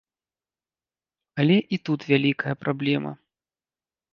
Але і тут вялікая праблема.